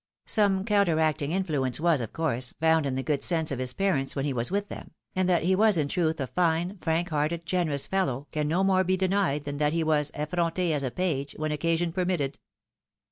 Some counteracting influence was, of course, found in the good sense of his parents when he was with them ; and that he was. in truth a fine, frank hearted, generous fellow, can no more be denied than that he was effronte as a page, when occasion permitted.